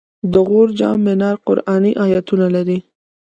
د غور جام منار قرآني آیتونه لري